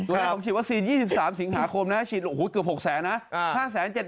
ตัวเลขของฉีดวัคซีน๒๓สิงหาคมนะฮะฉีดเกือบ๖๐๐๐๐๐นะฮะ